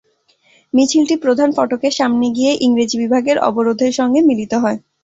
মিছিলটি প্রধান ফটকের সামনে গিয়ে ইংরেজি বিভাগের অবরোধের সঙ্গে মিলিত হয়।